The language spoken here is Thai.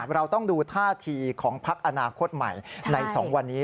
เราต้องดูท่าทีของพักอนาคตใหม่ใน๒วันนี้